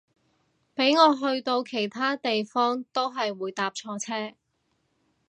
俾我去到其他地方都係會搭錯車